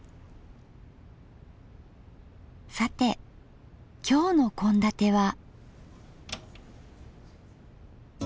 さて今日の献立は。